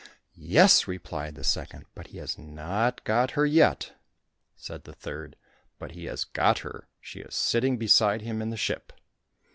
"Yes," replied the second, "but he has not got her yet." Said the third, "But he has got her, she is sitting beside him in the ship."